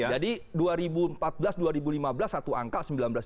jadi dua ribu empat belas dua ribu lima belas satu angka sembilan belas dua ratus dua puluh lima